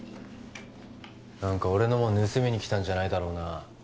何か俺の物盗みに来たんじゃないだろうな